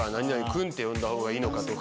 君って呼んだ方がいいのかとか。